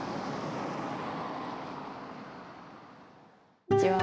こんにちは。